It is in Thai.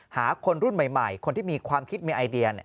หาคนรุ่นใหม่คนที่มีความคิดมีไอเดีย